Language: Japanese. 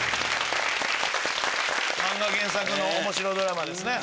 漫画原作の面白ドラマですね。